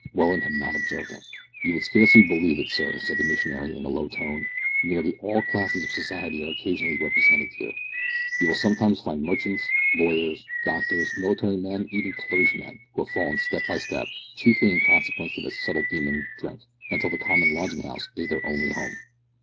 Welland had not observed him. "You would scarcely believe it, sir," said the missionary, in a low tone; "nearly all classes of society are occasionally represented here. You will sometimes find merchants, lawyers, doctors, military men, and even clergymen, who have fallen step by step, chiefly in consequence of that subtle demon drink, until the common lodging house is their only home."